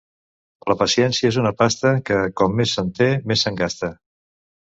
La paciència és una pasta que, com més se'n té, més se'n gasta.